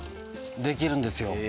できるんですよ。